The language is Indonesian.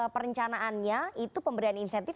perencanaannya itu pemberian insentif